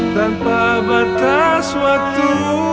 tanpa batas waktu